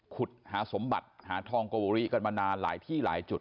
ขุดหาสมบัติหาทองโกวริกันมานานหลายที่หลายจุด